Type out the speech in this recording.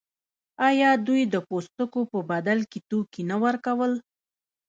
آیا دوی د پوستکو په بدل کې توکي نه ورکول؟